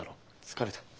疲れた。